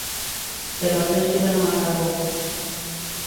Pero a ofensiva non acabou.